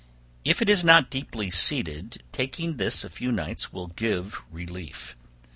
If it is not deeply seated, taking this a few nights will give relief.